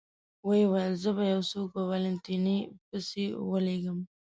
ویې ویل: زه به یو څوک په والنتیني پسې ولېږم.